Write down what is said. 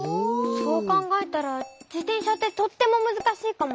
そうかんがえたらじてんしゃってとってもむずかしいかも。